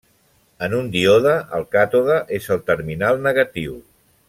En un díode el càtode és el terminal negatiu.